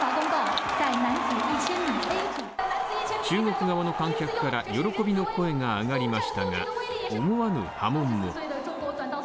中国側の観客から喜びの声が上がりましたが思わぬ波紋も。